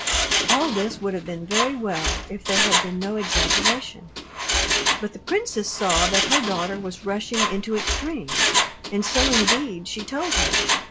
All this would have been very well, if there had been no exaggeration. But the princess saw that her daughter was rushing into extremes, and so indeed she told her.